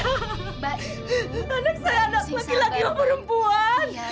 anak saya laki laki baperempuan